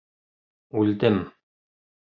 Үлдем!